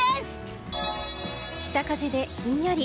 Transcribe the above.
北風でひんやり。